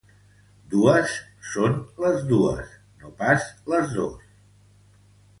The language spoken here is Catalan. Dues, són les dues no pas les dos